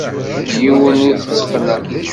Yiwen ur t-tteqqneɣ.